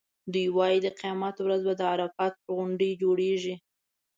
دوی وایي د قیامت ورځ به د عرفات پر غونډۍ جوړېږي.